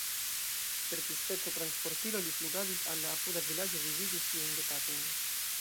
Per tiuspeca transportilo li flugadis al la apuda vilaĝo viziti siajn gepatrojn.